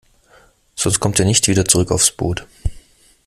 Sonst kommt ihr nicht wieder zurück aufs Boot.